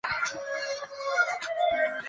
随后与家人移居香港。